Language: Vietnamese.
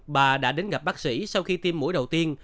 bà đã đến gặp bác sĩ sau khi tiêm mũi đầu tiên